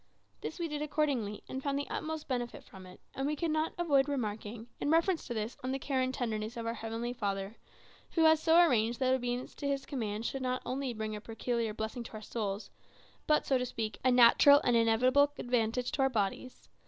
This we did accordingly, and found the utmost benefit from it; and we could not avoid remarking, in reference to this on the care and tenderness of our heavenly Father, who has so arranged that obedience to His command should not only bring a peculiar blessing to our souls, but, so to speak, a natural and inevitable advantage to our bodies.